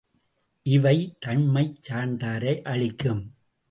இவை தம்மைச் சார்ந்தாரை அழிக்கும்.